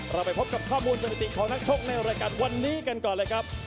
เราไปพบกับข้อมูลสถิติของนักชกในรายการวันนี้กันก่อนเลยครับ